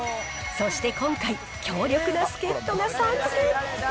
そして今回、強力な助っ人が参戦。